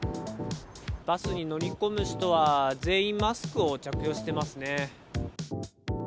バスに乗り込む人は、全員マスクを着用してますね。